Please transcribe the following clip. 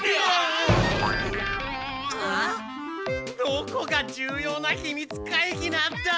どこが重要なひみつ会議なんだ！